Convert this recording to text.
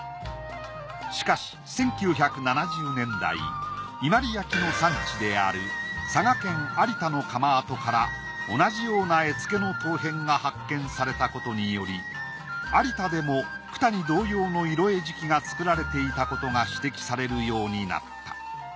しかし１９７０年代伊万里焼の産地である佐賀県有田の窯跡から同じような絵付けの陶片が発見されたことにより有田でも九谷同様の色絵磁器が作られていたことが指摘されるようになった。